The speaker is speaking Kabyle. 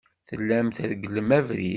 Tellam tregglem abrid.